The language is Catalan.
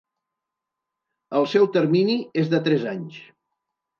El seu termini és de tres anys.